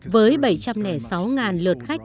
với bảy trăm linh sáu lượt khách